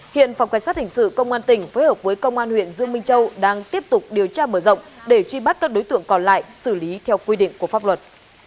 hiện phòng cảnh sát hình sự công an tỉnh phối hợp với công an huyện dương minh châu đang tiếp tục điều tra mở rộng để truy bắt các đối tượng còn lại xử lý theo quy định của pháp luật